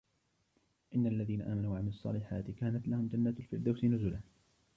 إِنَّ الَّذِينَ آمَنُوا وَعَمِلُوا الصَّالِحَاتِ كَانَتْ لَهُمْ جَنَّاتُ الْفِرْدَوْسِ نُزُلًا